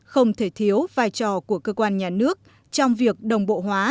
không thể thiếu vai trò của cơ quan nhà nước trong việc đồng bộ hóa